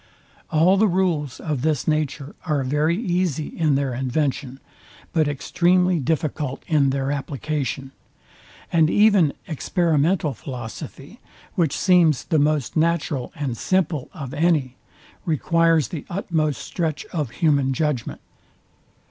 All the rules of this nature are very easy in their invention, but extremely difficult in their application; and even experimental philosophy, which seems the most natural and simple of any, requires the utmost stretch of human judgment.